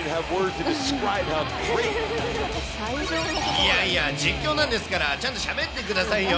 いやいや、実況なんですから、ちゃんとしゃべってくださいよ。